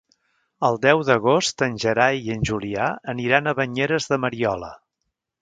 El deu d'agost en Gerai i en Julià aniran a Banyeres de Mariola.